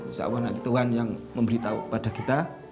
insya allah nanti tuhan yang memberitahu kepada kita